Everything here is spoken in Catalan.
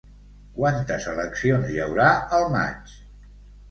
Quantes eleccions hi haurà al maig?